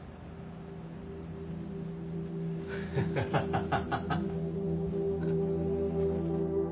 ハハハハハ